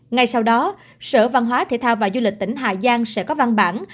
ngay sau đó sở văn hóa thể thao và du lịch tỉnh hà giang sẽ có văn bản